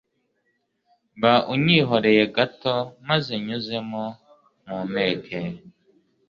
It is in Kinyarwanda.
ba unyihoreye gato, maze nyuzemo mpumeke